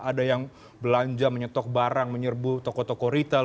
ada yang belanja menyetok barang menyerbu toko toko retail